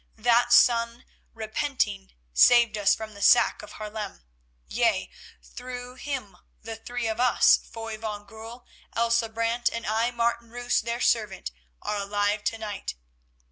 That son, repenting, saved us from the sack of Haarlem, yea, through him the three of us, Foy van Goorl, Elsa Brant, and I, Martin Roos, their servant, are alive to night.